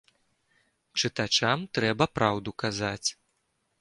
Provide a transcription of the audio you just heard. Чытачам трэба праўду казаць.